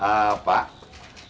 pak terkenalkan dulu nih istrinya ini